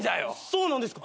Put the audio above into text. そうなんですか。